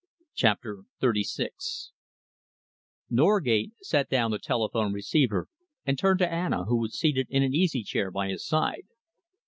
CHAPTER XXXVI Norgate set down the telephone receiver and turned to Anna, who was seated in an easy chair by his side.